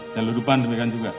dan lelupan demikian juga